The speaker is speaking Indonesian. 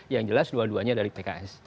yang jelas dua duanya dari pks